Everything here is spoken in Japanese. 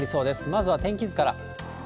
まずは天気図から。